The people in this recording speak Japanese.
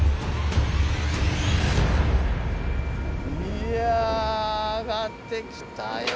いや上がってきたよ。